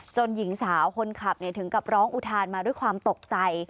หญิงสาวคนขับถึงกับร้องอุทานมาด้วยความตกใจ